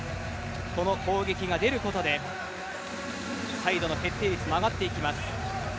この攻撃が出ることでサイドの決定率も上がっていきます。